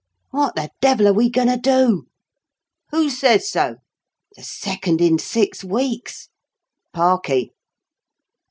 "What the devil are we goin' to do?" "Who says so?" "The second in six weeks!" "Parkie."